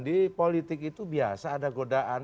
di politik itu biasa ada godaan